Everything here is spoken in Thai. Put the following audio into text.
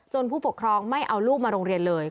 ผู้ปกครองไม่เอาลูกมาโรงเรียนเลย